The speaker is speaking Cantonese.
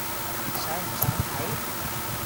想唔想睇？